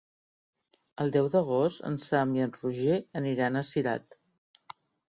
El deu d'agost en Sam i en Roger aniran a Cirat.